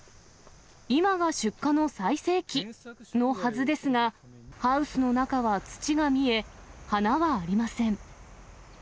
今が出荷の最盛期のはずですが、ハウスの中は土が見え、花はありません。